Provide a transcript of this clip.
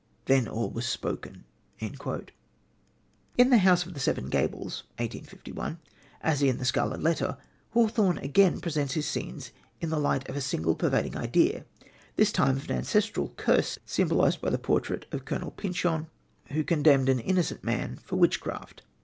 Then all was spoken." In The House of the Seven Gables (1851), as in The Scarlet Letter, Hawthorne again presents his scenes in the light of a single, pervading idea, this time an ancestral curse, symbolised by the portrait of Colonel Pyncheon, who condemned an innocent man for witchcraft.